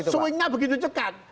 swingnya begitu cepat